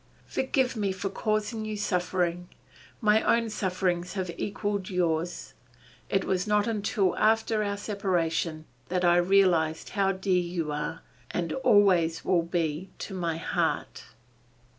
Forgive me for causing you suffering. My own sufferings have equaled yours. It was not until after our separation that I realized how dear you are and always will be to my heart."